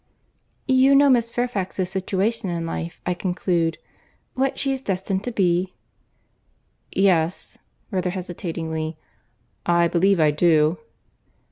"You know Miss Fairfax's situation in life, I conclude; what she is destined to be?" "Yes—(rather hesitatingly)—I believe I do."